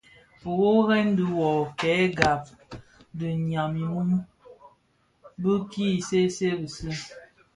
Wuoren dhi wuō kè gab dhi “nyam imum” bi ki see see bisi,